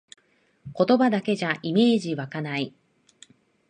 言葉だけじゃイメージわかない